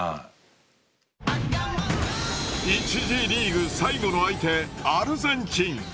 １次リーグ最後の相手アルゼンチン。